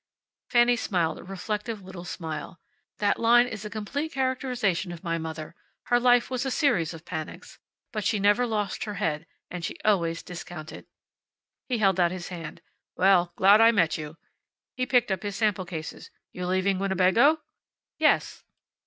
Fanny smiled a reflective little smile. "That line is a complete characterization of my mother. Her life was a series of panics. But she never lost her head. And she always discounted." He held out his hand. "Well, glad I met you." He picked up his sample cases. "You leaving Winnebago?" "Yes."